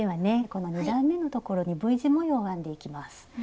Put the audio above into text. この２段めのところにＶ字模様を編んでいきます。